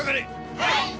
はい！